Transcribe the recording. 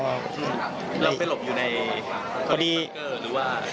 แล้วไปหลบอยู่ในบังเกอร์หรือว่า